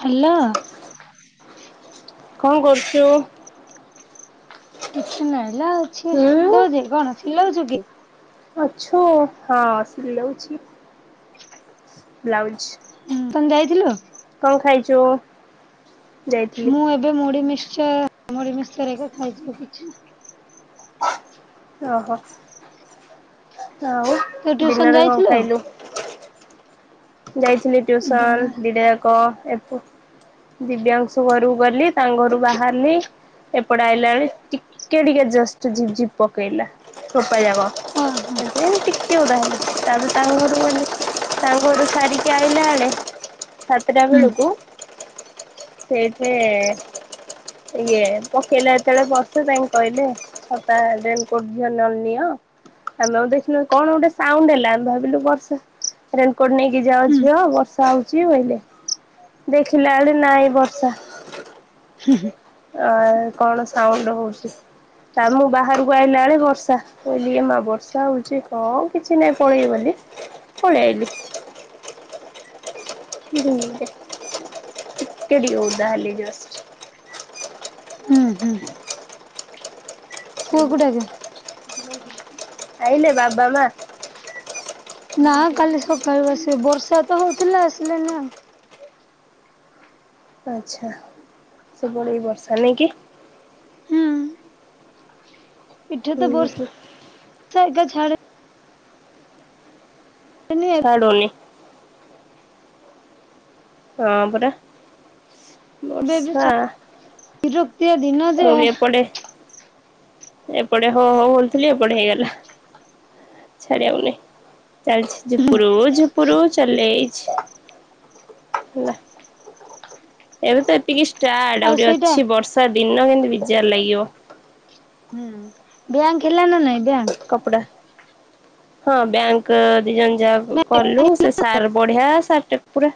Hello. କଣ କରୁଚୁ? କିଛି ନାହିଁଲା ଅଛି ହୁଁ ତ କଣ ଚିଲଉଛୁ କି। ଅଛୁ ହଁ ସିଲଉଛି ବ୍ଲାଉଜ। ହୁଁ ତମେ ଯାଇଥିଲ? କଣ ଖାଇଚୁ? ମୁଁ ଏବେ ମୁଢ଼ି ମିଶ୍ଚର୍ ମୁଢ଼ି ମିଶ୍ଚର ଏବେ ଖାଇକି ଉଠୁଛି। ଓହୋ ଆଉ ତୁ ଟ୍ୟୁସନ ଦିନରେ କଣ ଯାଇଥିଲୁ ଖାଇଲୁ? ଯାଇଥିଲି ଟ୍ୟୁସନ ଦିନ ଦିଟାଯାକ ଏପୁ ଦିବ୍ୟାଂଶୁ ଘରକୁ ଗଲି ତାଙ୍କ ଘରୁ ବାହାରିଲି। ଏପଟେ ଆଇଲା ବେଳେ ଟିକେ ଟିକେ ଜଷ୍ଟ ଝିପ୍ ଟିପ୍ ପକେଇଲା। ଓହୋ ହୁଁ [unintelligible] କେ ଓଦା ହେଲି ତାପରେ ତାଙ୍କ ଘରକୁ ଗଲି ତାଙ୍କ ଘଟୁ ସାରିକି ଆଇଲା ବେଳେେ ସାତେଟା ବେଳକୁ ସେଇଠେ ଇଏ ପକେଇଲା ଯେତେବେଳେ ବର୍ଷା ତାଙ୍କେ କହିଲେ ଛତା ରେନିକଟ ଝିଅ ନ ନିଅ ଆମେ ଆଉ ଦେଖିନୁ କଣ ଗୋଟେ ସାଉଣ୍ଡ ହେଲା ଆମେ ଭାବିଲୁ ବର୍ଷା, ରେନକୋଟ୍ ନେଇକି ଯାଅ ହୁଁ ଝିଅ ବର୍ଷା ହଉଚି ବୋଇଲେ, ଦେଖିଲା ବେଳେ ନାଇଁ ବର୍ଷା। ହୁଁ ହୁଁ। ଆ କଣ ସାଉଣ୍ଡ ହଉଚି, ତା ମୁଁ ବାହାରକୁ ଆଇଲା ବେଳେ ବର୍ଷା। କହିଲି ଏ ମା ବର୍ଷା ହଉଚି, କଣ କିଛି ନାଇଁ ପଳେଇବି ବୋଲି ପଳେଇ ଆଇଲି। ଟିକେ ଟିକେ ଓଦା ହେଲି ଜଷ୍ଟ। ହୁଁ ହୁଁ। ପୁଅ କୁ ଡାକେ। ଆଇଲେ ବାବା ମା। ନା କାଲି ସକାଳୁ ଆସିବେ, ବର୍ଷା ତ ହଉଥିଲା ଆସିଲେ ନି ଆଉ। ଆଚ୍ଛା ସବୁଆଡେ ଏ ବର୍ଷା ନାଇ କି? ହୁଁ। ଏଠି ହୁଁ ତ ହୁଁ ବର୍ଷା ଏକା ଛାଡେ ଏନି। ଛାଡୁନି। ହଁ ପରା। ଏବେ ବି ବର୍ଷା, ଛା ବିରକ୍ତିଆ ଦିନ ଯେ ପୁଣି ଆଉ ଏପଟେ ଏପଟେ ହଉ ହଉ ବୋଲୁଥିଲି ଏପଟେ ହେଇଗଲା, ଛାଡିହଉନି। ଚାଲିଛି ଝୁପୁରୁ, ଝୁପୁରୁ ଚଲେଇଛି, ହେଲା। ଏବେ ତ ଏତିକି ଷ୍ଟାର୍ଟ, ଆଉ ଗୋଟେ ସେଇଟା ଅଛି ବର୍ଷା ଦିନ କେନ୍ତି ବିଜାର ଲାଗିବ। ହୁଁ ବ୍ୟାଙ୍କ ହେଲା ନା ନାଇଁ ବ୍ୟାଙ୍କ? କପଡା ହଁ ବ୍ୟାଙ୍କ ଦିଜଣ ଯା ଗଲୁ। ତେ ସାର୍ ବଢିଆ ସାର ଟେ ପୁରା,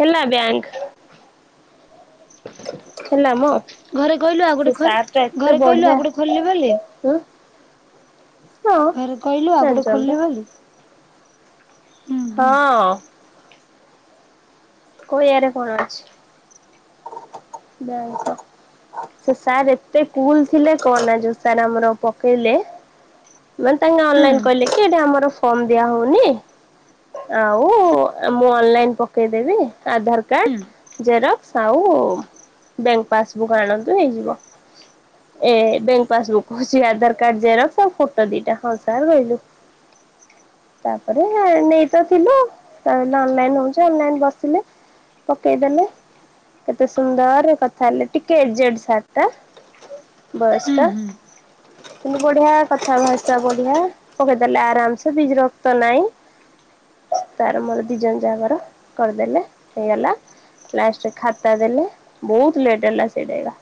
ହେଲା ବ୍ୟାଙ୍କ। ହେଲାମ। ଘରେ କହିଲୁ ଆଉ ଗୋଟେ ସେ ଖୋଲ ସାର୍ ଟା ଏତେ ଘରେ କହିଲୁ ଆଉ ବଢିଆ। ଗୋଟେ ଖୋଲିବେ ବୋଲି ହଁ ଘରେ କହିଲୁ ଆଉ ଗୋଟେ ଜାଣିଚନ୍ତି ଖୋଲିଲି ତ। ବୋଲି ହୁଁ ହୁଁ ହଁ। କୋହିଆରେ କଣ ଅଛି? ଜାଣିଚ଼। ସେ ସାର୍ ଏତେ କୁଲ୍ ଥିଲେ କନା ଯୋଉ ସାର୍ ଆମର ପକେଇଲେ। ମାନେ ତାଙ୍କେ ହୁଁ ଅନଲାଇନ୍ କହିଲେ କି ଏଠି ଆମର ଫର୍ମ ଦିଆ ହଉନି। ଆଉ ମୁଁ ଅନଲାଇନ୍ ପକେଇଦେବି ଆଧାର କାର୍ଡ ଜେର ସାଉ ବ୍ୟାଙ୍କ ପାସବୁକ୍ ଆଣନ୍ତୁ ହେଇଯିବ। ଏ ବ୍ୟାଙ୍କ ପାସବୁକ୍ କହୁଛି ଆଧାର କାର୍ଡ ଜେରକ୍ସ ଆଉ ଫୋଟୋ ଦିଟା। ତାପରେ ନେଇ ତ ଥିଲୁ ତାହେଲେ ଅନଲାଇନ୍ ହଉଛି ଅନଲାଇନ୍ ବସିଲେ। ପକେଇଦେଲେ। କେତେ ସୁନ୍ଦର ରେ କଥା ହେଲେ, ଟିକେ ଏଜେଡ୍ ସାର୍ ଟା ହୁଁ ବୟସ୍କ। ହୁଁ ତମେ ବଢିଆ କଥା ଭାଷା ବଢିଆ। ପକେଇଦେଲେ ଆରାମସେ, ବୀଜୀ ରକ୍ତ ନାଇଁ। ତାର ମୋର ଦି ଜଣ ଯାଗର କରିଦେଲେ, ହେଇଗଲା। ଲାଷ୍ଟ ଖାତ୍ ତା ଦେଲେ, ବହୁତ ଲେଟ୍ ହେଲା ସେଇଟେ ଏଗା।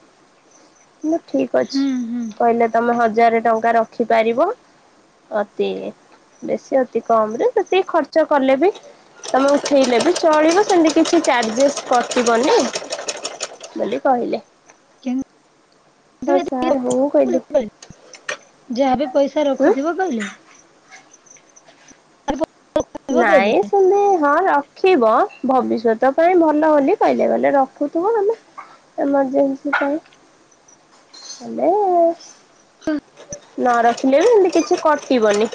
ହେଲେ ଠିକ୍ ଅଛି। ହୁଁ ହୁଁ କହିଲେ ତମେ ହଜାରେ ଟଙ୍କା ରଖିପାରିବ। ଅତି-ଇ ବେଶୀ ଅତି କମ୍ ରେ, ସେତିକି ଖର୍ଚ୍ଚ କଲେ ବି ତମେ ଉଠେଇଲେ ବି ଚଳିବ ସେମିତି କିଛି ଚାର୍ଜେସ୍ କଟିବନି। ବୋଲି କହିଲେ। ହଉ, କିନ୍ତୁ ସାର୍ ହଉ କହିଲି। ଯାହାବି ପଇସା ହୁଁ। ରଖୁଥିବ କହିଲେ? କହିଲେ ନାଇଁ ହେମତି ହଁ, ରଖିବ। ଭବିଷ୍ୟତ ପାଇଁ ଭଲ ବୋଲି କହିଲେ, କହିଲେ ରଖୁଥୁବ ମାନେ ଏମର୍ଜେନ୍ସି ପାଇଁ ହେଲେ-ଏ ନରଖିଲେ ବି ହେମତି କିଛି କଟିବନି।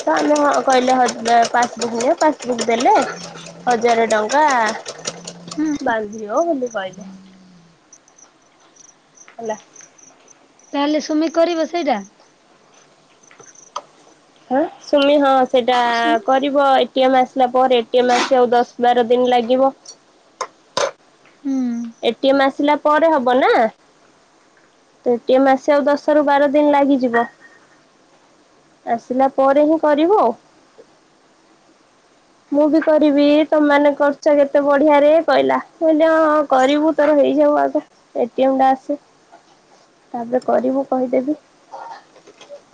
ତ ଆମେ ହଁ, କହିଲେ ହ ପାସବୁକ୍ ନିଅ ପାସବୁକ୍ ଦେଲେ। ହଜାରେ ଟଙ୍କା ହୁଁ ବାନ୍ଧିବ ବୋଲି କହିଲେ। ହେଲା। ତା, ହେଲେ ସୁମି କରିବ ସେଇଟା? ହେଁ, ସୁମି ହଁ, ସେଇଟା ସୁ କରିବ ଏଟିଏମ୍ ଆସିଲା ପରେ, ଏଟିଏମ୍ ଆସିବାକୁ ଦଶ, ବାର ଦିନ ଲାଗିବ। ହୁଁ ଏଟିଏମ୍ ଆସିଲା ପରେ ହବ ନାଁ! ତ ଏଟିଏମ୍ ଆସିଆକୁ, ଦଶ ରୁ ବାର ଦିନ ଲାଗିଯିବ। ଆସିଲା ପରେ ହିଁ, କରିବୁ। ମୁଁ ବି କରିବି, ତମେମାନେ କରୁଛ, କେତେ ବଢିଆରେ କହିଲା। ମୁଁ [unintelligible] ହଁ, କରିବୁ, ତୋର ହେଇଯାଉ ଆଗ। ଏଟିଏମ୍ ଟା ଆସୁ। ତା'ପରେ କରିବୁ କହିଦେବି।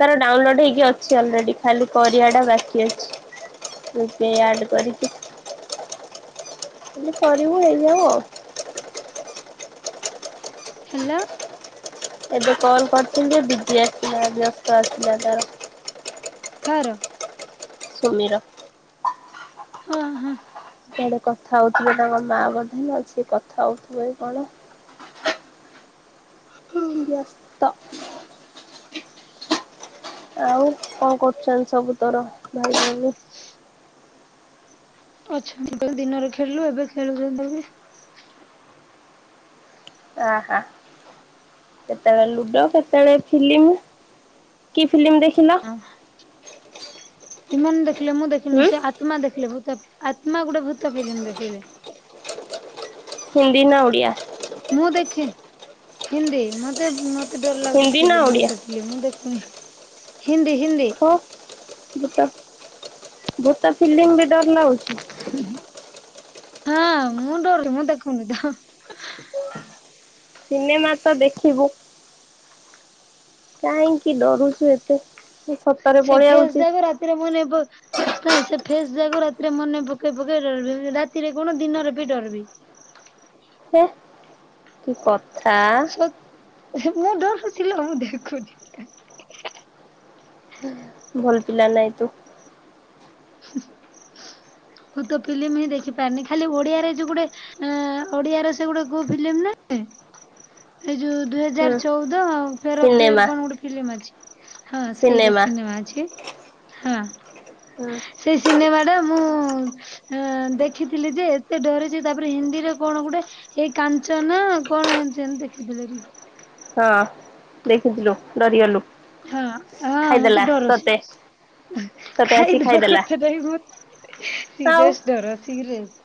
ତାର ଡାଉନଲୋଡ୍ ହେଇକି ଅଛି ଅଲରେଡି। ଖାଲି କରିବା ଟା ବାକି ଅଛି। ପ୍ରିପେୟାଡ୍ କରିକି। ହେଲେ କରିବୁ, ହେଇଯାଉ ଆଉ। ହେଲୋ! ଏବେ କଲ୍ କରିଥିଲି ଯେ, ବିଜି ଆସିଲା ବ୍ୟସ୍ତ ଆସିଲା ତାର। କାର? ସୁମିର। ହଁ, ହଁ, କୁଆଡେ କଥା ହଉଥିବେ, ତାଙ୍କ ମା ବୋଧେ ଅଛି। କଥା ହଉଥିବେ କି କଣ? ବ୍ୟସ୍ତ। ଆଉ, କଣ କରୁଚନ୍ତି, ସବୁ ତୋର ଭାଇ, ଭଉଣୀ? ଆଚ୍ଛା! ମୁଁ କହିଲି ଦିନରେ ଖେଳିଲୁ, ଏବେ ଖେଳୁଛନ୍ତି କି? ଆଁ, ହାଁ। କେତେବେଳେ ଲୁଡୋ, କେତେବେଳେ ଫିଲିମ୍। କି ଫିଲିମ୍ ଦେଖ୍ ଅଁ। ଏମାନେ ଦେଖିଲେ, ମୁଁ ଦେଖିନି ହୁଁ ସେ ଆତ୍ମା ଦେଖିଲେ। ଭୂତ ଆତ୍ମା ଗୁଟେ ଭୂତ ଫିଲିମ୍ ଦେଖିଲେ। ହିନ୍ଦୀ ନା ଓଡିଆ? ମୁଁ ଦେଖେ, ହିନ୍ଦୀ ମତେ ମତେ ଡର ଲାଗୁଛି ହିନ୍ଦୀ ନା ଫିଲ୍ମି ଓଡ଼ିଆ ଭୂତ ଫିଲିମ୍ ମୁଁ ଦେଖୁନି ହିନ୍ଦୀ, ହିନ୍ଦୀ। ହୋ ଭୂତ, ଭୂତ ଫିଲିମ୍ ବି ଡର ଲାଗୁଛି? ହଁ, ମୁଁ ଡରୁ, ମୁଁ ଦେଖୁନି ତ। ସିନେମା ତ ଦେଖିବୁ। କାହିଁକି ଡରୁଛୁ ଏତେ। ସେ ସ ସେ ଫେସ୍ ଦେବ। ରାତିରେ ମୁଁ ନେବ। ନାଇଁ ସେ ଫେସ୍ ଯାକ ରାତିରେ ମନେ ପକେଇ ପକେଇ ଡ [unintelligible] ରାତିରେ କଣ, ଦିନରେ ବି ଡରବି। ହେ! କି କଥା ଧେତ୍ ମୁଁ ଡରୁଚି ଲୋ! ମୁଁ ଦେଖୁଚି କାହିଁ ଭଲ୍ ପିଲା ନାଇଁ ତୁ। ଭୂତ ଫିଲମ୍ ହିଁ ଦେଖିପାରିନି ଖାଲି ଓଡିଆରେ ଯୋଉ ଗୋଟେ ଏଁ ଓଡିଆ ର ସେ ଗୋଟେ କଉ ଫିଲମ୍ ନାହିଁ ଯେ ସେଇ ଯୋଉ ଦୁଇ ହୁଁ ହଜାର ଚଉଦ ଆଉ ଫେର ଅଫ ଦ ୟେର୍ ସିନେମା କଣ ଗୋଟେ ଫିଲମ୍ ଅଛି। ହଁ ସେଇଟା ସିନେମା ଅଛି। ହଁ, ସେ ସିନେମା ଟା ମୁଁ ଆ ଦେଖିଥିଲି ଯେ ଏତେ ଡରିଛି ତାପରେ ହିନ୍ଦୀରେ କଣ ଗୋଟେ ଏଇ କାଞ୍ଚନା କଣ ଏମିତି ଏମିତି ଦେଖିଥିଲି କି ହଁ, ଦେଖିଥିଲୁ ଡରିଗଲୁ। ହଁ ହଁ ମତେ ଖାଇଦେଲା ଡରୁଛି। ତତେ ତତେ ଆସି ଖାଇଦବା ଖାଇଦେଲା କଥାଯାଇ ମ ଆଉ ସିରେସ ଡର ସିରେସ।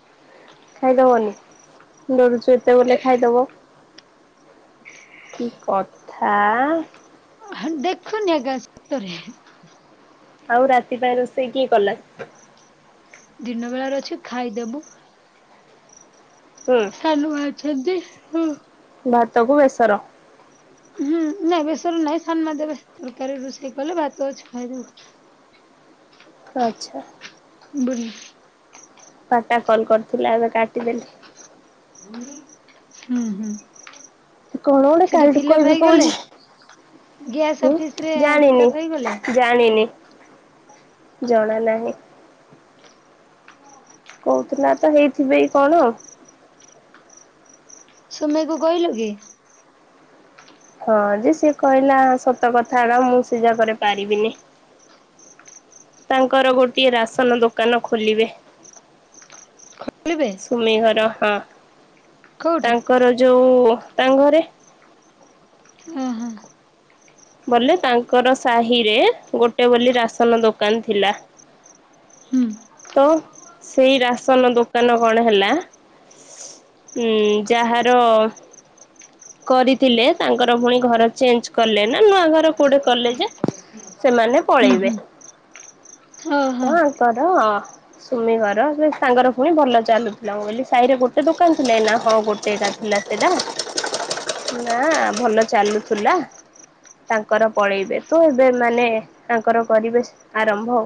ଖାଇଦବନି ଦରୁଛୁ ଏତେବଲେ ଖାଇଦବ। କି କଥା। ଆଃ ଦେଖୁନି ଆଜ୍ଞା ସତରେ। ଆଉ ରାତିପାଇଁ ରୋଷେଇ କିଏ କଲା? ଦିନ ବେଳାର ଅଛି ଖାଇଦୋବୁ। ହୁଁ। ଚାଲୁଅଛନ୍ତି ହୁଁ। ଭାତକୁ ବେସର। ହୁଁ ନାଇଁ ବେସରେ ନାଇଁ ସାନ ମା ଦେବେ ତରକାରୀ ରୋଷେଇ କଲେ ଭାତଅଛି ଖାଇଦୋବୁ। ଆଚ୍ଛା। ସୁବୁନି। ବାପା କଲ କରିଥିଲେ ଆଗ କାଟିଦେଲି। ହୁଁ ହୁଁ। କଣ ଗୋଟେ ସେଟା କାଲିଠୁ ଫିଲପ କହିବି ହେଇଗଲେ କହୁଛି। ଗ୍ୟାସ ହୁଁ ଅଫିସରେ ଜାଣିନି ଫିଲପ ହେଇଗଲେ ଜାଣିନି ଜଣା ନାହିଁ। ହଁ। କହୁଥିଲାତ ହେଇଥିବେ କି କଣ। ସୁମେଇକୁ କହିଲୁକି? ହଁ ଯେ ସିଏ କହିଲା ସତକଥା ହେଲା ମୁଁ ସେ ଯାଗାରେ ପାରିବିନି। ତାଙ୍କର ଗୋଟିଏ ରାସନ ଦୋକାନ ଖୋଲିବେ। ଖେଳିବେ ସୁମିଘର ହଁ କୋଉଠି ତାଙ୍କର ଯୋଉ ତାଙ୍କଘରେ। ହୁଁ ହୁଁ। ବଲେ ତାଙ୍କର ସାହିରେ ଗୋଟେ ବୋଲି ରାସନ ଦୋକାନ ଥିଲା। ହୁଁ ତ ସେଇ ରାସନ ଦୋକାନ କଣ ହେଲା ହୁଁ ଯାହାର କରିଥିଲେ ତାଙ୍କର ପୁଣି ଘର ଚେଞ୍ଜ କଲେନା ନୂଆ ଘର କୁଆଡେ କଲେ ଯେ। ସେମାନେ ହୁଁ ପଳେଇବେ ହୁଁ ଓହୋ ତାଙ୍କର ସୁମିଘର ସେ ସାଙ୍ଗର ପୁଣି ଭଲ ଚାଲୁଥିଲା ମୁଁ କହିଲି ସାହିରେ ଗୋଟେ ଦୋକାନ ଥିଲା ନା ହଁ ଗୋଟେ ଗାଁ ଥିଲା ସେଟା ନା ଭଲ ଚାଲୁଥିଲା। ତାଙ୍କର ପଳେଇବେତ ଏବେ ମାନେ ତାଙ୍କର କରିବେ ଆରମ୍ଭ।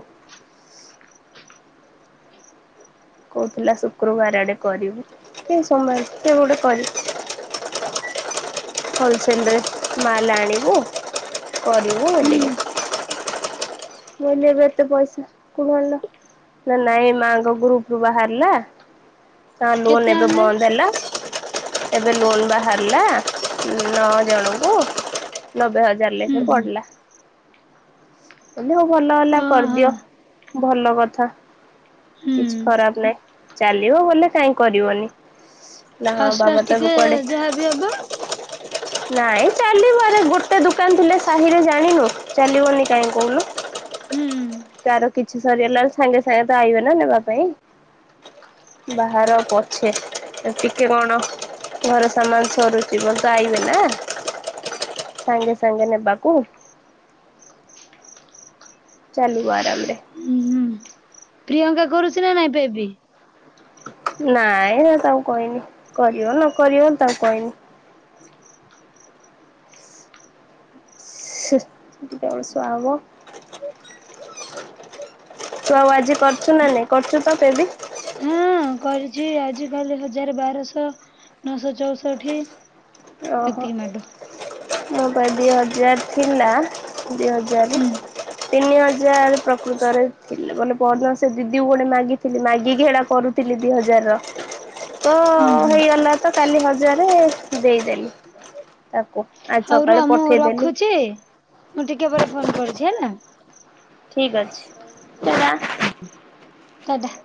କହୁଥିଲା ଶୁକ୍ରବାର ଆଡେ କରିବୁ କି ସୋମବାରେ ଗୋଟେ କରିବେ ହୋଲସେଲରେ ମାଲ ଆଣିବୁ କରିବୁ ହୁଁ ଟିକେ ମୁଁ କହିଲେ ଏବେ ଏତେ ପଇସା କୋଉଠୁ ଆଣିଲ ନାଇଁ ମାଙ୍କ ଗ୍ରୁପରୁୁ ବାହାରିଲା ତାଙ୍କ ଲୋନ କେତେ ଏବେ ଆଣିଲେ ବନ୍ଦ ହେଲା। ଏବେ ଲୋନ ବାହାରିଲା ନଅ ଜଣଙ୍କୁ। ନବେ ହଜାର ହୁଁ ଲେଖେ ହୁଁ ପଡିଲା। ହେଲେ ହଉ ଭଲହେଲା ଓହୋ କରିଦିଅ ଭଲ କଥା। ହୁଁ କିଛି ଖରାପ ନାହିଁ ଚାଲିବ ବୋଲେ କାହିଁ କରିବନି। ନାଁ ବାବା ତାକୁ କୁଆଡେ ଝିଅପା ନାଇଁ ଚାଲିବ ଆରେ ଗୋଟେ ଦୋକାନ ଥିଲେ ସାହିରେ ଜାଣିନୁ ଚାଲିବନି କାହିଁ କହୁନୁ? ହୁଁ କାହାର କିଛି ସରିଗଲାରୁ ସାଙ୍ଗେ ସାଙ୍ଗେତ ଆଇବେନା ନେବାପାଇଁ? ବାହାର ପଛେ ଟିକେ କଣ ଘରେ ସାମାନ ସରିଜିବତ ଆଇବେନା ସାଙ୍ଗେ ସାଙ୍ଗେ ନେବାକୁ ଚାଲିବ ଆରାମରେ ହୁଁ ପ୍ରିୟଙ୍କା କରୁଛିନା ନାଇଁ ଏବେବିି? ନାଇଁ ତାକୁ କହିନି କରିବ ନକରିବ ତାକୁ କହିନି ସେ ଅଲୁସୁଆ ହବ। ତୁ ଆଉ ଆଜି କରୁଛୁ ନା ନାଇଁ କରୁଛୁ ତ ତେବ? ହଁ କରିଛି ଆଜି କାଲି ହଜାର ବାରଶହ ନଅଶହଚଉଷଠି ଓହୋ ମୋ ପାଇଁ ଦି ହଜାର ଥିଲା ଦି ହଜାର ହୁଁ ତିନି ହଜାର ପ୍ରକୃତରେ ଥିଲେ ମାନେ ପରଦିନ ସେ ଦିଦି ଗୋଟେ ମାଗିଥିଲି ମାଗିକି ହେଡା କରୁଥିଲି ଦି ହଜାର ର। ତ ହୁଁ ହୁଁ ହେଇଗଲା ତ କାଲି ହଜାରେ ଦେଇଦେଲି। ତାକୁ ଆଜି ସକାଳେ ପଠେଇଦେଲି। ଯେ ମୁଁ ଟିକେ ପରେ ଫୋନ କରୁଛି ହେଲା। ଠିକ୍ ଅଛି। ଟା ଟା।